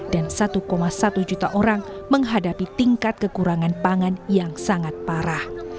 dan satu satu juta orang menghadapi tingkat kekurangan pangan yang sangat parah